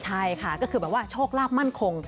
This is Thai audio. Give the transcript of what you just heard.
ใช่ค่ะก็คือแบบว่าโชคลาภมั่นคง